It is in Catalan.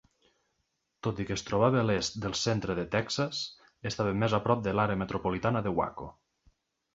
Tot i que es trobava a l'est del centre de Texas, estava més a prop de l'àrea metropolitana de Waco.